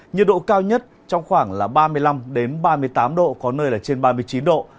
nhiệt độ cao nhất trong khoảng ba mươi năm ba mươi tám độ có nơi là trên ba mươi chín độ